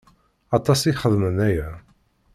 Aṭas i xeddmen aya.